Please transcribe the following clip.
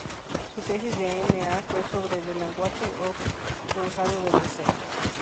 Su tesis de M. A. fue sobre "The Language of Gonzalo de Berceo.